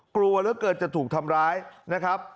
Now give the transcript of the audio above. กลัวเหลือเกินจะถูกทำร้ายนะครับ